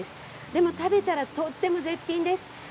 でも食べたらとっても絶品です。